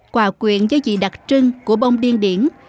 quà quyện do dị đặc trưng của bông điên điển